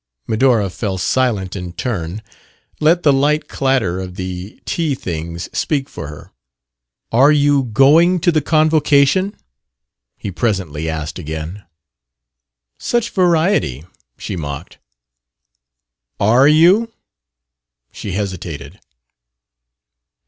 Medora fell silent in turn, let the light clatter of the tea things speak for her. "Are you going to the convocation?" he presently asked again. "Such variety!" she mocked. "Are you?" She hesitated.